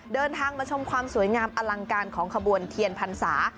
เดินทางมาชมความสวยงามอลังการของขบวนเทียนพรรษา